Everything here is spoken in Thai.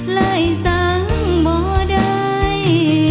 ลายสังบ่ได้